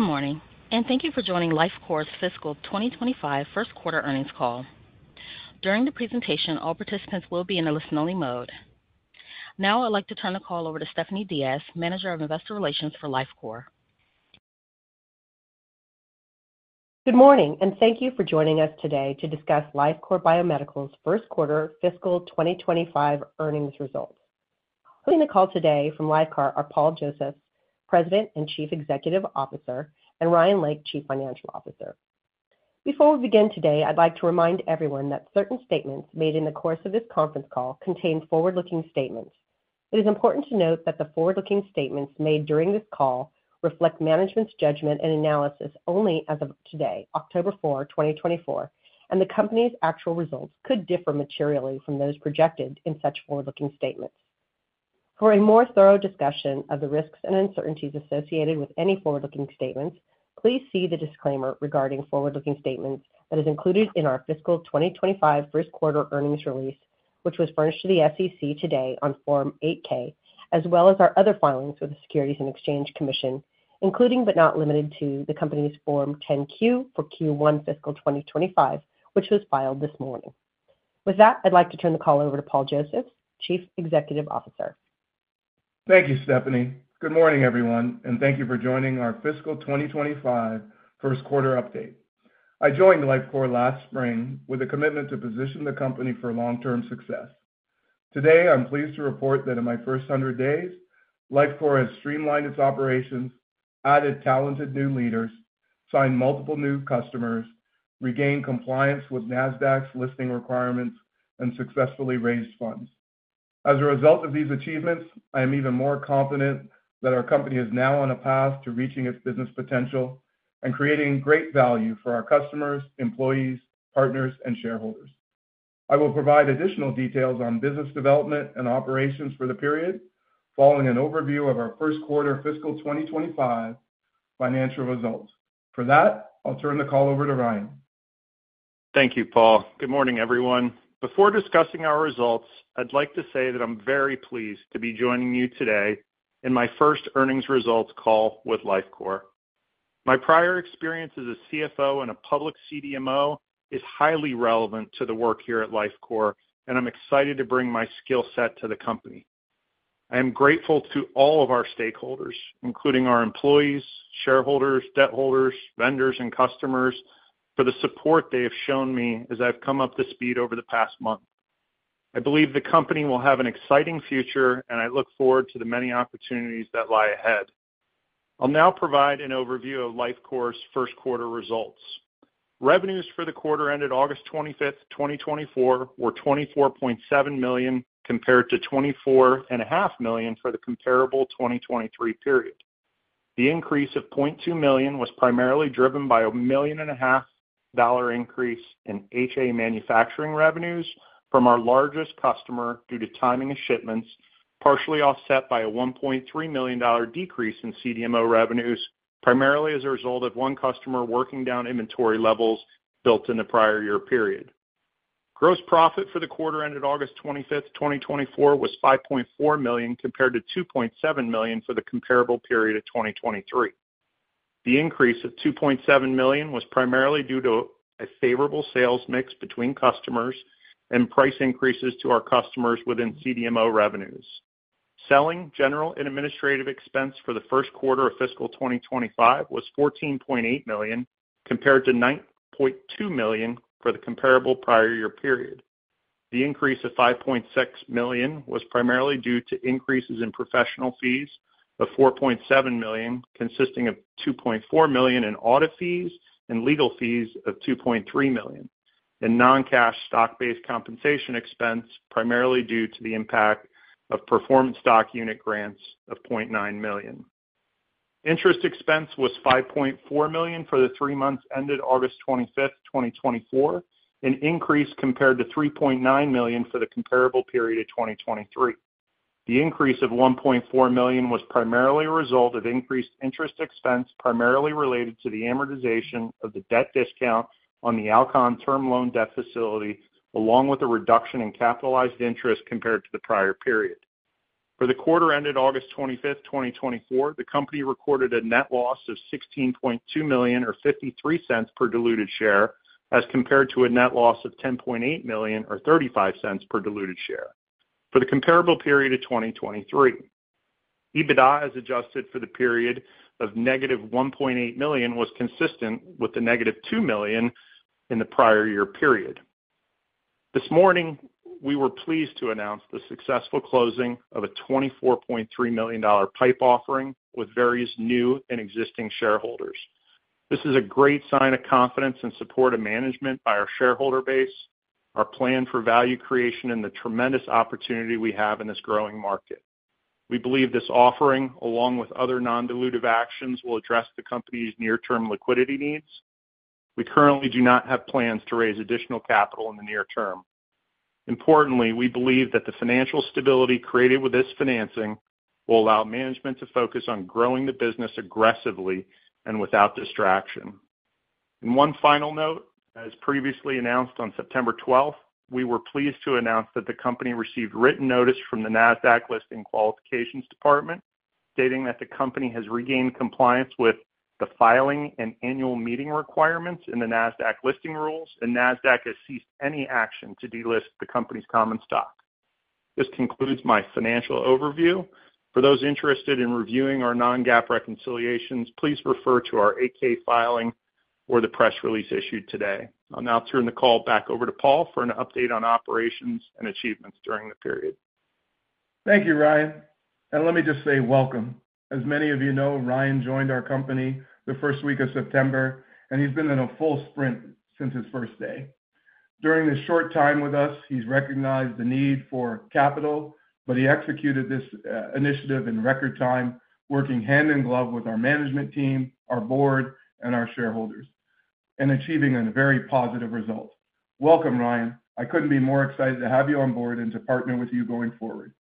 Good morning and thank you for joining Lifecore's Fiscal 2025 First Quarter Earnings Call. During the presentation, all participants will be in a listen-only mode. Now I'd like to turn the call over to Stephanie Diaz, Manager of Investor Relations for Lifecore. Good morning and thank you for joining us today to discuss Lifecore Biomedical's First Quarter fiscal 2025 Earnings Results. Joining the call today from Lifecore are Paul Josephs, President and Chief Executive Officer, and Ryan Lake, Chief Financial Officer. Before we begin today, I'd like to remind everyone that certain statements made in the course of this conference call contain forward-looking statements. It is important to note that the forward-looking statements made during this call reflect management's judgment and analysis only as of today, October 4, 2024, and the company's actual results could differ materially from those projected in such forward-looking statements. For a more thorough discussion of the risks and uncertainties associated with any forward-looking statements, please see the disclaimer regarding forward-looking statements that is included in our fiscal 2025 first quarter earnings release, which was furnished to the SEC today on Form 8-K, as well as our other filings with the Securities and Exchange Commission, including, but not limited to, the company's Form 10-Q for Q1 fiscal 2025, which was filed this morning. With that, I'd like to turn the call over to Paul Josephs, Chief Executive Officer. Thank you, Stephanie. Good morning, everyone, and thank you for joining our fiscal 2025 First Quarter Update. I joined Lifecore last spring with a commitment to position the company for long-term success. Today, I'm pleased to report that in my first 100 days, Lifecore has streamlined its operations, added talented new leaders, signed multiple new customers, regained compliance with NASDAQ's listing requirements, and successfully raised funds. As a result of these achievements, I am even more confident that our company is now on a path to reaching its business potential and creating great value for our customers, employees, partners, and shareholders. I will provide additional details on business development and operations for the period, following an overview of our first quarter fiscal 2025 financial results. For that, I'll turn the call over to Ryan. Thank you, Paul. Good morning, everyone. Before discussing our results, I'd like to say that I'm very pleased to be joining you today in my first earnings results call with Lifecore. My prior experience as a CFO in a public CDMO is highly relevant to the work here at Lifecore, and I'm excited to bring my skill set to the company. I am grateful to all of our stakeholders, including our employees, shareholders, debt holders, vendors, and customers, for the support they have shown me as I've come up to speed over the past month. I believe the company will have an exciting future, and I look forward to the many opportunities that lie ahead. I'll now provide an overview of Lifecore's first quarter results. Revenues for the quarter ended August 25th, 2024, were $24.7 million, compared to $24.5 million for the comparable 2023 period. The increase of $0.2 million was primarily driven by a $1.5 million dollar increase in HA manufacturing revenues from our largest customer due to timing of shipments, partially offset by a $1.3 million decrease in CDMO revenues, primarily as a result of one customer working down inventory levels built in the prior year period. Gross profit for the quarter ended August 25th, 2024, was $5.4 million, compared to $2.7 million for the comparable period of 2023. The increase of $2.7 million was primarily due to a favorable sales mix between customers and price increases to our customers within CDMO revenues. Selling, general and administrative expense for the first quarter of fiscal 2025 was $14.8 million, compared to $9.2 million for the comparable prior year period. The increase of $5.6 million was primarily due to increases in professional fees of $4.7 million, consisting of $2.4 million in audit fees and legal fees of $2.3 million, and non-cash stock-based compensation expense, primarily due to the impact of performance stock unit grants of $0.9 million. Interest expense was $5.4 million for the three months ended August 25th, 2024, an increase compared to $3.9 million for the comparable period of 2023. The increase of $1.4 million was primarily a result of increased interest expense, primarily related to the amortization of the debt discount on the Alcon term loan debt facility, along with a reduction in capitalized interest compared to the prior period. For the quarter ended August 25th, 2024, the company recorded a net loss of $16.2 million, or $0.53 per diluted share, as compared to a net loss of $10.8 million, or $0.35 per diluted share for the comparable period of 2023. EBITDA, as adjusted for the period of ($1.8 million), was consistent with the ($2 million) in the prior year period. This morning, we were pleased to announce the successful closing of a $24.3 million PIPE offering with various new and existing shareholders. This is a great sign of confidence and support of management by our shareholder base, our plan for value creation, and the tremendous opportunity we have in this growing market. We believe this offering, along with other non-dilutive actions, will address the company's near-term liquidity needs. We currently do not have plans to raise additional capital in the near term. Importantly, we believe that the financial stability created with this financing will allow management to focus on growing the business aggressively and without distraction. And one final note, as previously announced on September 12th, we were pleased to announce that the company received written notice from the NASDAQ Listing Qualifications department, stating that the company has regained compliance with the filing and annual meeting requirements in the NASDAQ listing rules, and NASDAQ has ceased any action to delist the company's common stock. This concludes my financial overview. For those interested in reviewing our non-GAAP reconciliations, please refer to our 8-K filing or the press release issued today. I'll now turn the call back over to Paul for an update on operations and achievements during the period. Thank you, Ryan, and let me just say welcome. As many of you know, Ryan joined our company the first week of September, and he's been in a full sprint since his first day. During his short time with us, he's recognized the need for capital, but he executed this initiative in record time, working hand in glove with our management team, our board, and our shareholders, and achieving a very positive result. Welcome, Ryan. I couldn't be more excited to have you on board and to partner with you going forward.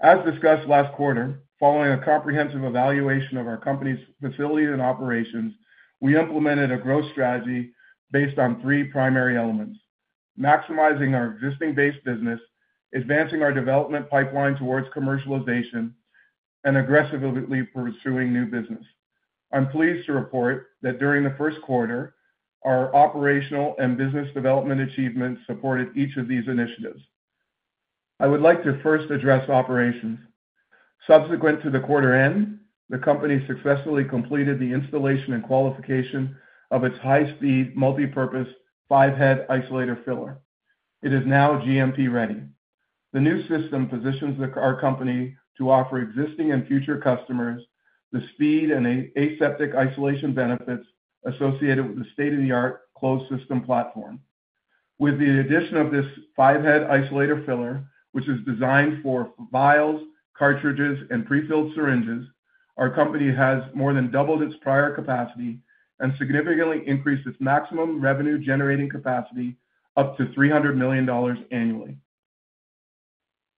As discussed last quarter, following a comprehensive evaluation of our company's facilities and operations, we implemented a growth strategy based on three primary elements: maximizing our existing base business, advancing our development pipeline towards commercialization, and aggressively pursuing new business. I'm pleased to report that during the first quarter, our operational and business development achievements supported each of these initiatives. I would like to first address operations. Subsequent to the quarter end, the company successfully completed the installation and qualification of its high-speed multipurpose 5-head isolator filler. It is now GMP-ready. The new system positions our company to offer existing and future customers the speed and aseptic isolation benefits associated with the state-of-the-art closed system platform. With the addition of this five-head isolator filler, which is designed for vials, cartridges, and prefilled syringes, our company has more than doubled its prior capacity and significantly increased its maximum revenue generating capacity up to $300 million annually.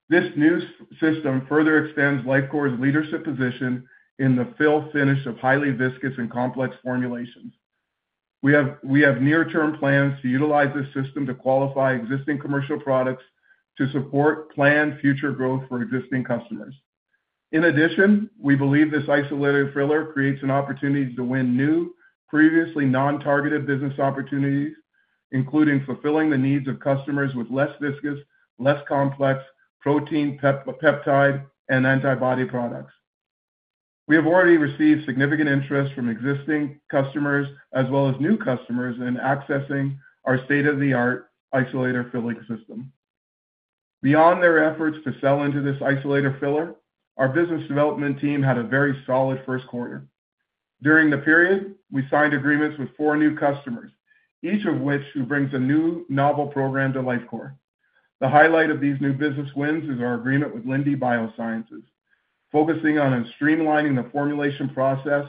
This new system further extends Lifecore's leadership position in the fill finish of highly viscous and complex formulations. We have near-term plans to utilize this system to qualify existing commercial products to support planned future growth for existing customers. In addition, we believe this isolator filler creates an opportunity to win new, previously non-targeted business opportunities, including fulfilling the needs of customers with less viscous, less complex protein, peptide, and antibody products. We have already received significant interest from existing customers as well as new customers in accessing our state-of-the-art isolator filling system. Beyond their efforts to sell into this isolator filler, our business development team had a very solid first quarter. During the period, we signed agreements with four new customers, each of which who brings a new novel program to Lifecore. The highlight of these new business wins is our agreement with Lindy Biosciences, focusing on and streamlining the formulation process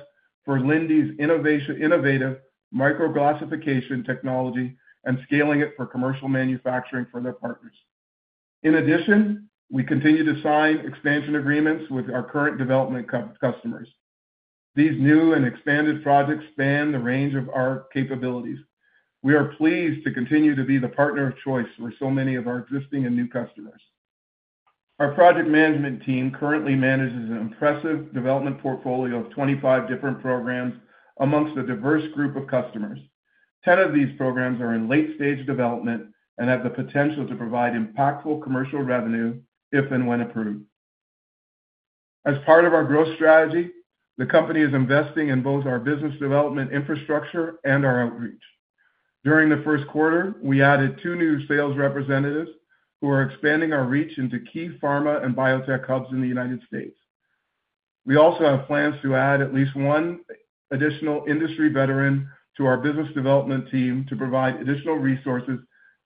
for Lindy's innovative Microglassification Technology and scaling it for commercial manufacturing for their partners. In addition, we continue to sign expansion agreements with our current development customers. These new and expanded projects span the range of our capabilities. We are pleased to continue to be the partner of choice for so many of our existing and new customers. Our project management team currently manages an impressive development portfolio of 25 different programs amongst a diverse group of customers. 10 of these programs are in late-stage development and have the potential to provide impactful commercial revenue if and when approved. As part of our growth strategy, the company is investing in both our business development infrastructure and our outreach. During the first quarter, we added two new sales representatives who are expanding our reach into key pharma and biotech hubs in the United States. We also have plans to add at least one additional industry veteran to our business development team to provide additional resources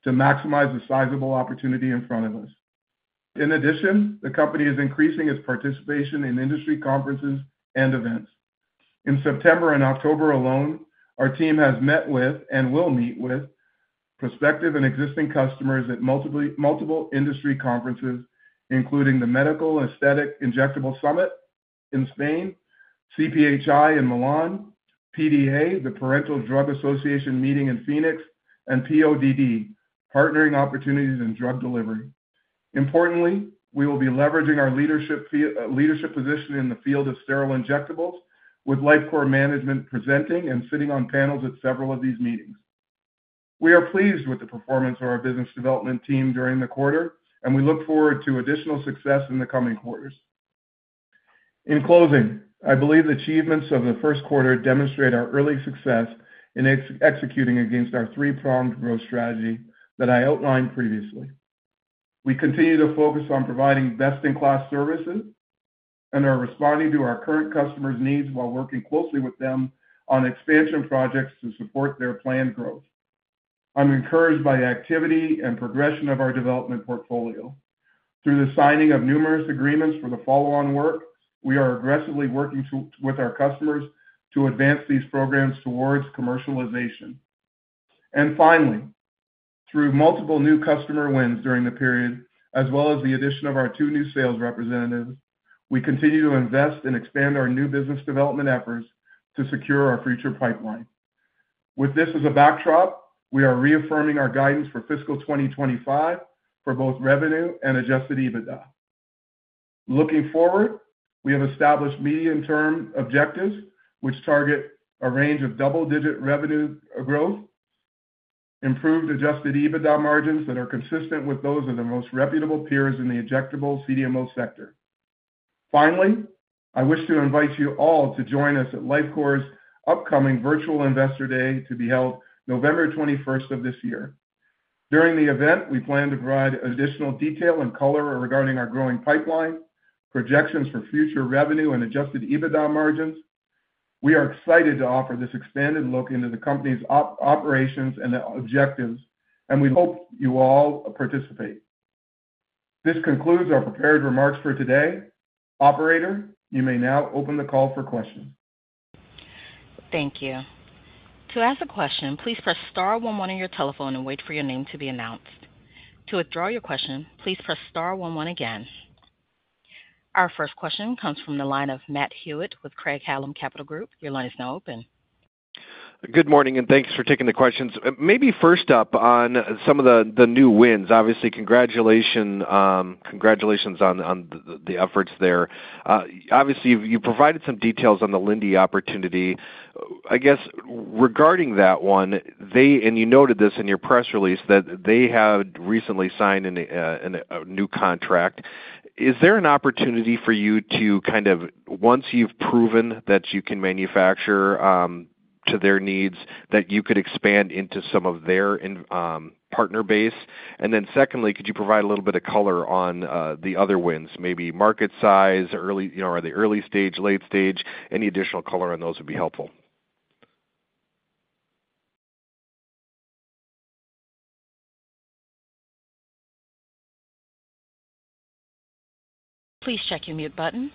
to maximize the sizable opportunity in front of us. In addition, the company is increasing its participation in industry conferences and events. In September and October alone, our team has met with and will meet with prospective and existing customers at multiple industry conferences, including the Medical Aesthetic Injectable Summit in Spain, CPHI in Milan, PDA, the Parenteral Drug Association meeting in Phoenix, and PODD, Partnering Opportunities in Drug Delivery. Importantly, we will be leveraging our leadership position in the field of sterile injectables, with Lifecore Management presenting and sitting on panels at several of these meetings. We are pleased with the performance of our business development team during the quarter, and we look forward to additional success in the coming quarters. In closing, I believe the achievements of the first quarter demonstrate our early success in executing against our three-pronged growth strategy that I outlined previously. We continue to focus on providing best-in-class services and are responding to our current customers' needs while working closely with them on expansion projects to support their planned growth. I'm encouraged by the activity and progression of our development portfolio. Through the signing of numerous agreements for the follow-on work, we are aggressively working with our customers to advance these programs towards commercialization. And finally, through multiple new customer wins during the period, as well as the addition of our two new sales representatives, we continue to invest and expand our new business development efforts to secure our future pipeline. With this as a backdrop, we are reaffirming our guidance for fiscal 2025 for both revenue and Adjusted EBITDA. Looking forward, we have established medium-term objectives, which target a range of double-digit revenue growth, improved Adjusted EBITDA margins that are consistent with those of the most reputable peers in the injectable CDMO sector. Finally, I wish to invite you all to join us at Lifecore's upcoming Virtual Investor Day, to be held November 21st of this year. During the event, we plan to provide additional detail and color regarding our growing pipeline, projections for future revenue and Adjusted EBITDA margins. We are excited to offer this expanded look into the company's operations and objectives, and we hope you all participate. This concludes our prepared remarks for today. Operator, you may now open the call for questions. Thank you. To ask a question, please press star one one on your telephone and wait for your name to be announced. To withdraw your question, please press star one one again. Our first question comes from the line of Matt Hewitt with Craig-Hallum Capital Group. Your line is now open. Good morning, and thanks for taking the questions. Maybe first up on some of the new wins. Obviously, congratulations on the efforts there. Obviously, you provided some details on the Lindy opportunity. I guess, regarding that one, they, and you noted this in your press release, that they had recently signed a new contract. Is there an opportunity for you to kind of, once you've proven that you can manufacture to their needs, that you could expand into some of their partner base? And then secondly, could you provide a little bit of color on the other wins, maybe market size, early, you know, are they early stage, late stage? Any additional color on those would be helpful. Please check your mute button.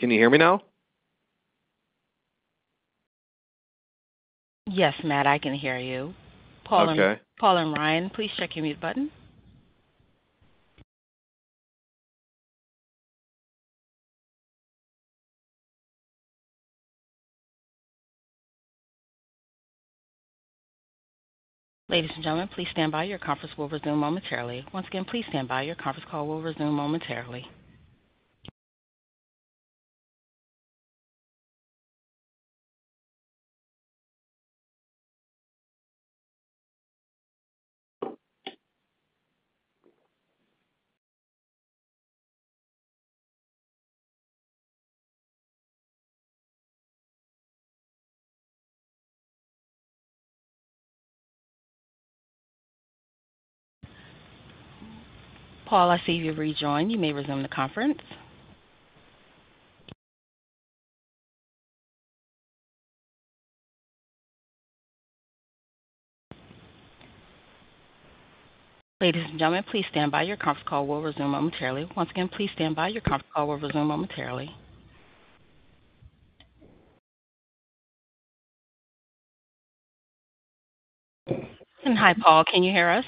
Can you hear me now? Yes, Matt, I can hear you. Okay. Paul and Ryan, please check your mute button. Ladies and gentlemen, please stand by. Your conference will resume momentarily. Once again, please stand by. Your conference call will resume momentarily. Paul, I see you've rejoined. You may resume the conference. Ladies and gentlemen, please stand by. Your conference call will resume momentarily. Once again, please stand by. Your conference call will resume momentarily. Hi, Paul, can you hear us? ...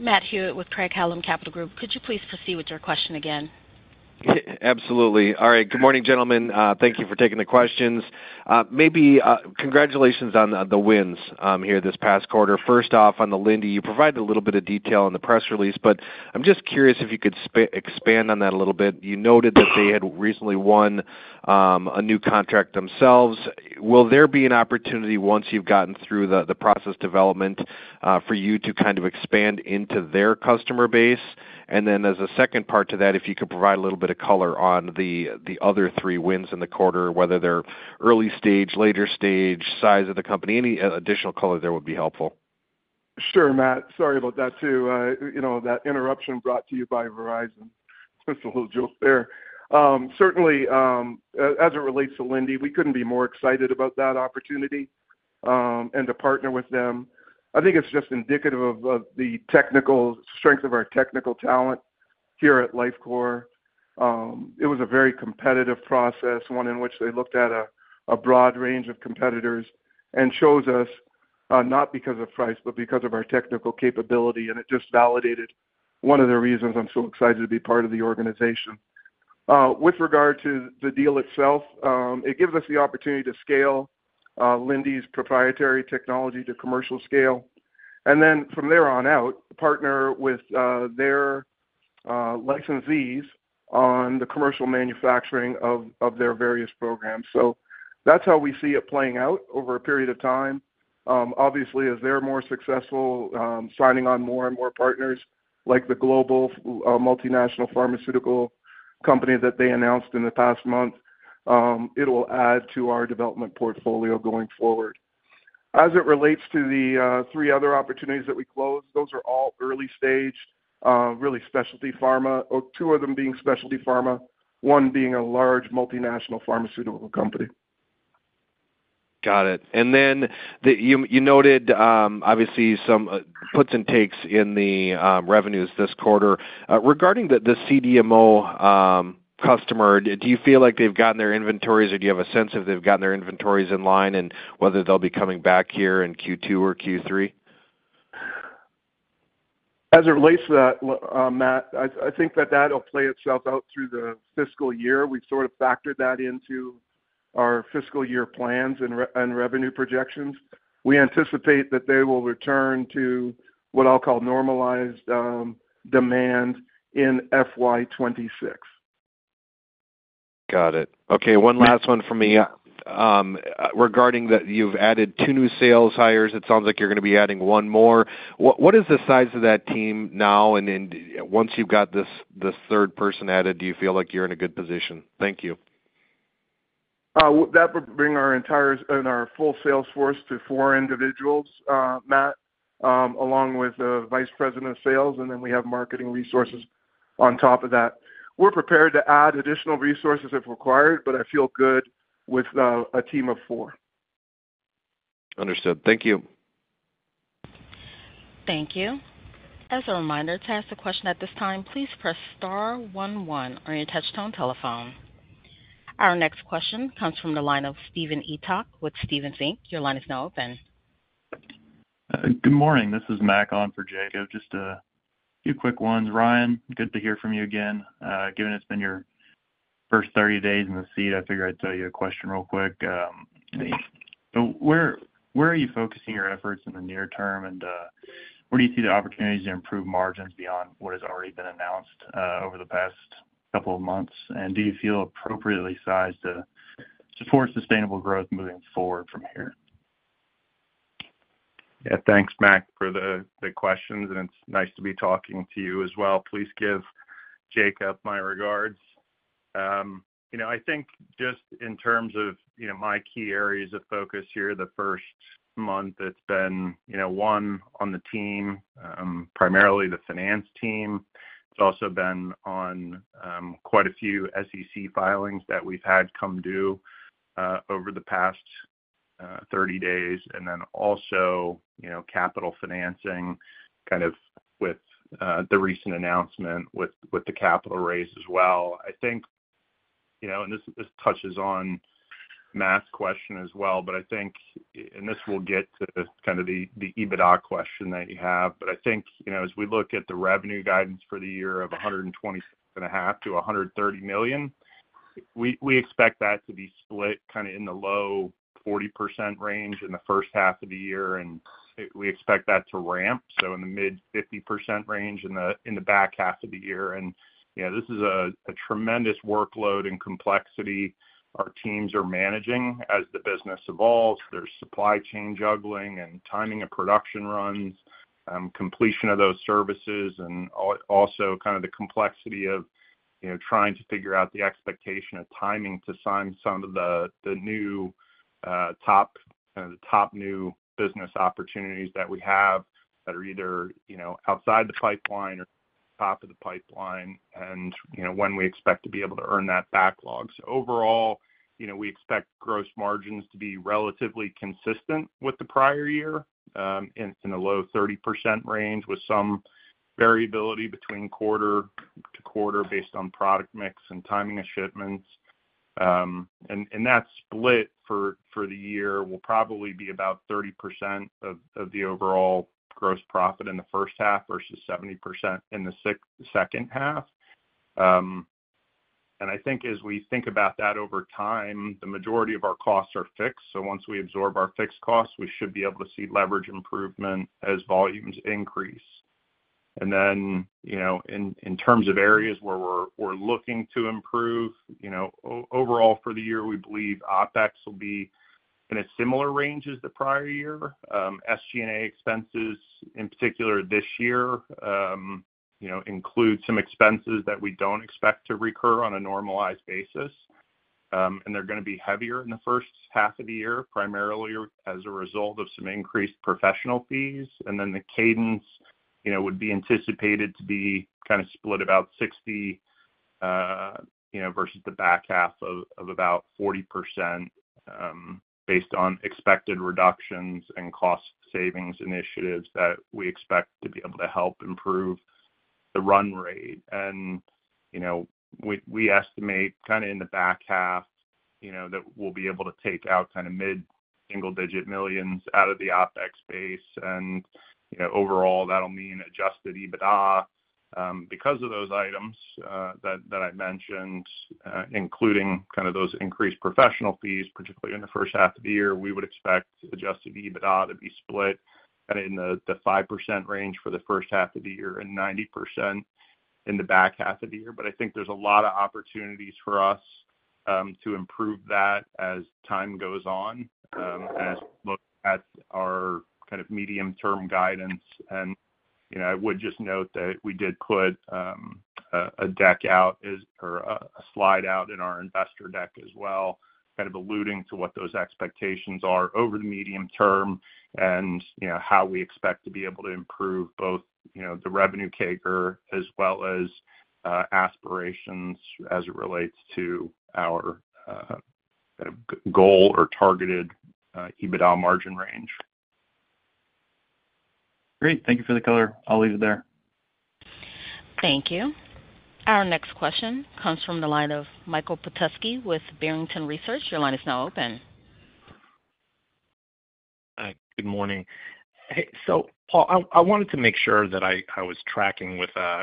Matt Hewitt with Craig-Hallum Capital Group. Could you please proceed with your question again? Absolutely. All right. Good morning, gentlemen. Thank you for taking the questions. Maybe congratulations on the wins here this past quarter. First off, on the Lindy, you provided a little bit of detail in the press release, but I'm just curious if you could expand on that a little bit. You noted that they had recently won a new contract themselves. Will there be an opportunity once you've gotten through the process development for you to kind of expand into their customer base? And then as a second part to that, if you could provide a little bit of color on the other three wins in the quarter, whether they're early stage, later stage, size of the company, any additional color there would be helpful. Sure, Matt. Sorry about that, too. You know, that interruption brought to you by Verizon. Just a little joke there. Certainly, as it relates to Lindy, we couldn't be more excited about that opportunity, and to partner with them. I think it's just indicative of the technical strength of our technical talent here at Lifecore. It was a very competitive process, one in which they looked at a broad range of competitors, and chose us, not because of price, but because of our technical capability, and it just validated one of the reasons I'm so excited to be part of the organization. With regard to the deal itself, it gives us the opportunity to scale, Lindy's proprietary technology to commercial scale, and then from there on out, partner with, their, licensees on the commercial manufacturing of their various programs. So that's how we see it playing out over a period of time. Obviously, as they're more successful, signing on more and more partners, like the global, multinational pharmaceutical company that they announced in the past month, it'll add to our development portfolio going forward. As it relates to the, three other opportunities that we closed, those are all early stage, really specialty pharma. Two of them being specialty pharma, one being a large multinational pharmaceutical company. Got it. And then the... You noted, obviously some puts and takes in the revenues this quarter. Regarding the CDMO customer, do you feel like they've gotten their inventories, or do you have a sense if they've gotten their inventories in line and whether they'll be coming back here in Q2 or Q3? As it relates to that, Matt, I think that that'll play itself out through the fiscal year. We've sort of factored that into our fiscal year plans and revenue projections. We anticipate that they will return to what I'll call normalized demand in FY2026. Got it. Okay, one last one from me. Yeah. Regarding that you've added two new sales hires, it sounds like you're going to be adding one more. What is the size of that team now? And then once you've got this third person added, do you feel like you're in a good position? Thank you. That would bring our entire and our full sales force to four individuals, Matt, along with the Vice President of Sales, and then we have marketing resources on top of that. We're prepared to add additional resources if required, but I feel good with a team of four. Understood. Thank you. Thank you. As a reminder, to ask a question at this time, please press star one one on your touchtone telephone. Our next question comes from the line of Steven Etoch with Stephens Inc. Your line is now open. Good morning. This is Mack on for Jacob. Just a few quick ones. Ryan, good to hear from you again. Given it's been your first thirty days in the seat, I figured I'd throw you a question real quick. So where are you focusing your efforts in the near term, and where do you see the opportunities to improve margins beyond what has already been announced over the past couple of months? And do you feel appropriately sized to support sustainable growth moving forward from here? Yeah. Thanks, Mac, for the questions, and it's nice to be talking to you as well. Please give Jacob my regards. You know, I think just in terms of, you know, my key areas of focus here, the first month it's been, you know, one on the team, primarily the finance team. It's also been on quite a few SEC filings that we've had come due over the past 30 days. And then also, you know, capital financing, kind of with the recent announcement with the capital raise as well. I think, you know, and this touches on Matt's question as well, but I think, and this will get to kind of the EBITDA question that you have. I think, you know, as we look at the revenue guidance for the year of $120.5 million-$130 million, we expect that to be split kind of in the low 40% range in the first half of the year, and we expect that to ramp, so in the mid 50% range in the back half of the year. And, yeah, this is a tremendous workload and complexity our teams are managing as the business evolves. There's supply chain juggling and timing of production runs, completion of those services, and also kind of the complexity of, you know, trying to figure out the expectation of timing to sign some of the, the new top new business opportunities that we have that are either, you know, outside the pipeline or top of the pipeline, and, you know, when we expect to be able to earn that backlog. So overall, you know, we expect gross margins to be relatively consistent with the prior year, and it's in the low 30% range, with some variability between quarter to quarter based on product mix and timing of shipments. And that split for the year will probably be about 30% of the overall gross profit in the first half versus 70% in the second half. I think as we think about that over time, the majority of our costs are fixed, so once we absorb our fixed costs, we should be able to see leverage improvement as volumes increase. Then, you know, in terms of areas where we're looking to improve, you know, overall for the year, we believe OpEx will be in a similar range as the prior year. SG&A expenses, in particular this year, you know, include some expenses that we don't expect to recur on a normalized basis. They're going to be heavier in the first half of the year, primarily as a result of some increased professional fees. And then the cadence, you know, would be anticipated to be kind of split about 60% versus the back half of about 40%, based on expected reductions and cost savings initiatives that we expect to be able to help improve the run rate. And, you know, we estimate kind of in the back half, you know, that we'll be able to take out kind of mid-single digit millions out of the OpEx base. And, you know, overall, that'll mean Adjusted EBITDA, because of those items that I mentioned, including kind of those increased professional fees, particularly in the first half of the year, we would expect Adjusted EBITDA to be split kind of in the 5% range for the first half of the year and 90% in the back half of the year. But I think there's a lot of opportunities for us to improve that as time goes on, as we look at our kind of medium-term guidance. And, you know, I would just note that we did put a deck out or a slide out in our investor deck as well, kind of alluding to what those expectations are over the medium term, and, you know, how we expect to be able to improve both, you know, the revenue CAGR, as well as aspirations as it relates to our kind of goal or targeted EBITDA margin range. Great. Thank you for the color. I'll leave it there. Thank you. Our next question comes from the line of Michael Petusky with Barrington Research. Your line is now open. Hi, good morning. Hey, so, Paul, I wanted to make sure that I was tracking with a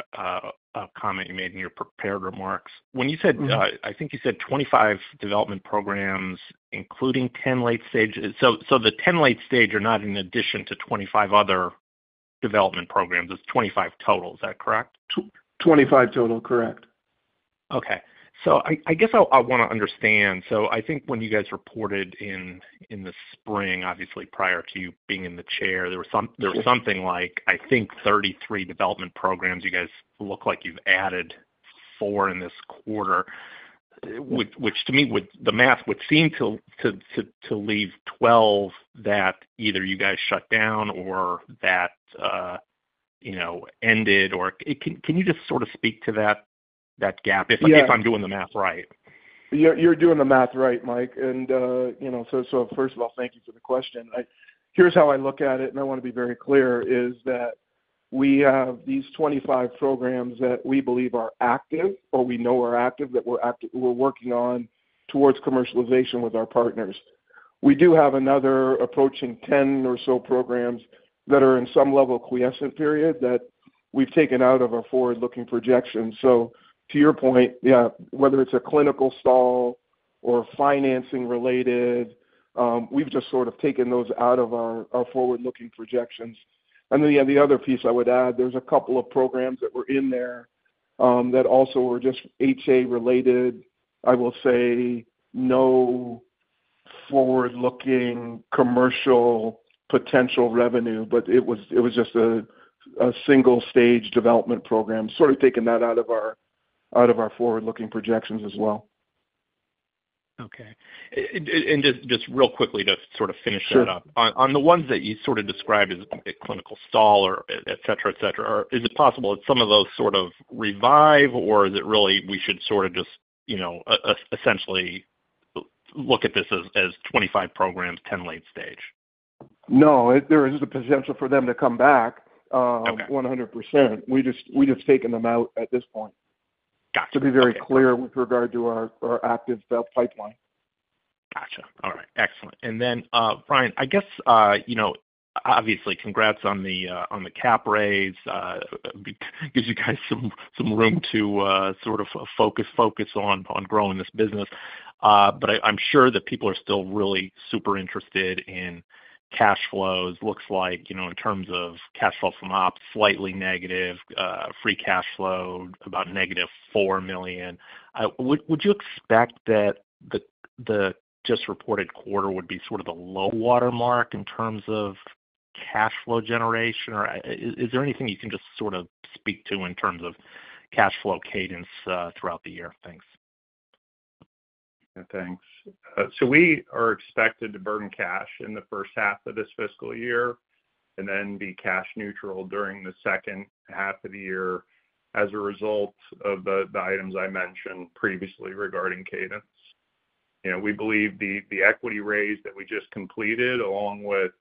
comment you made in your prepared remarks. When you said- Mm-hmm. I think you said 25 development programs, including 10 late stages. So, the 10 late stage are not in addition to 25 other development programs. It's 25 total. Is that correct? 25 total, correct. Okay. So I guess I want to understand. So I think when you guys reported in the spring, obviously prior to you being in the chair, there was some- Sure.... there was something like, I think, 33 development programs. You guys look like you've added four in this quarter, which to me would - the math would seem to leave 12 that either you guys shut down or that, you know, ended or... Can you just sort of speak to that gap- Yeah. If I'm doing the math right? You're doing the math right, Mike. And, you know, so first of all, thank you for the question. I, here's how I look at it, and I want to be very clear, is that we have these 25 programs that we believe are active or we know are active, that we're working on towards commercialization with our partners. We do have another approaching 10 or so programs that are in some level of quiescent period that we've taken out of our forward-looking projections. So to your point, yeah, whether it's a clinical stall or financing related, we've just sort of taken those out of our forward-looking projections. And then, yeah, the other piece I would add, there's a couple of programs that were in there, that also were just HA-related. I will say no forward-looking commercial potential revenue, but it was just a single stage development program, sort of taking that out of our forward-looking projections as well. Okay. And just real quickly to sort of finish that up- Sure.... on the ones that you sort of described as a clinical stall or et cetera, is it possible that some of those sort of revive, or is it really we should sort of just, you know, essentially look at this as 25 programs, 10 late stage? ...No, there is the potential for them to come back, 100%. We just, we've just taken them out at this point. Got you. To be very clear with regard to our active sales pipeline. Gotcha. All right. Excellent. And then, Ryan, I guess, you know, obviously, congrats on the cap raise. Gives you guys some room to sort of focus on growing this business. But I'm sure that people are still really super interested in cash flows. Looks like, you know, in terms of cash flow from ops, slightly negative, free cash flow, about -$4 million. Would you expect that the just reported quarter would be sort of the low water mark in terms of cash flow generation? Or is there anything you can just sort of speak to in terms of cash flow cadence throughout the year? Thanks. Thanks. So we are expected to burn cash in the first half of this fiscal year and then be cash neutral during the second half of the year as a result of the items I mentioned previously regarding cadence. You know, we believe the equity raise that we just completed, along with,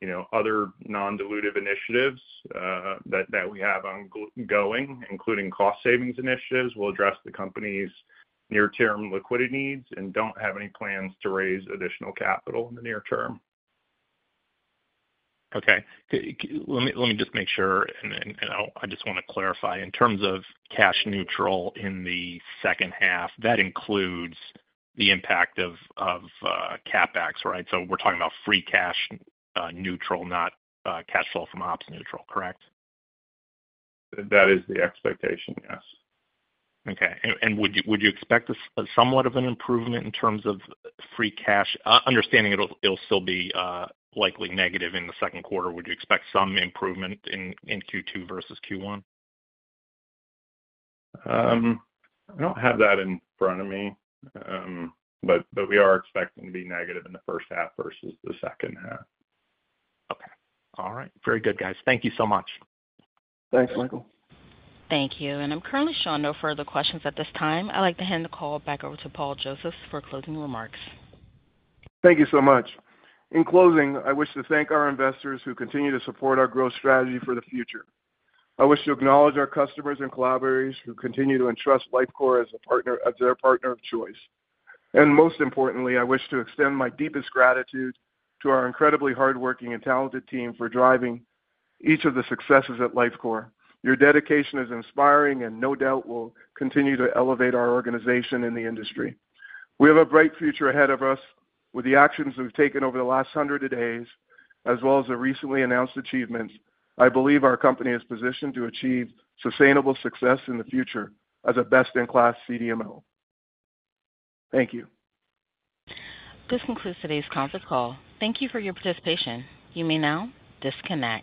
you know, other non-dilutive initiatives, that we have ongoing, including cost savings initiatives, will address the company's near-term liquidity needs and don't have any plans to raise additional capital in the near term. Okay. Let me just make sure, and then I'll. I just want to clarify. In terms of cash neutral in the second half, that includes the impact of CapEx, right? So we're talking about free cash neutral, not cash flow from ops neutral, correct? That is the expectation, yes. Okay. And would you expect a somewhat of an improvement in terms of free cash? Understanding it'll still be likely negative in the second quarter. Would you expect some improvement in Q2 versus Q1? I don't have that in front of me, but we are expecting to be negative in the first half versus the second half. Okay. All right. Very good, guys. Thank you so much. Thanks, Michael. Thank you, and I'm currently showing no further questions at this time. I'd like to hand the call back over to Paul Josephs for closing remarks. Thank you so much. In closing, I wish to thank our investors who continue to support our growth strategy for the future. I wish to acknowledge our customers and collaborators who continue to entrust Lifecore as a partner, as their partner of choice. And most importantly, I wish to extend my deepest gratitude to our incredibly hardworking and talented team for driving each of the successes at Lifecore. Your dedication is inspiring and no doubt will continue to elevate our organization in the industry. We have a bright future ahead of us. With the actions we've taken over the last hundred of days, as well as the recently announced achievements, I believe our company is positioned to achieve sustainable success in the future as a best-in-class CDMO. Thank you. This concludes today's conference call. Thank you for your participation. You may now disconnect.